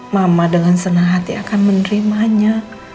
mama dengan senang hati akan menerimanya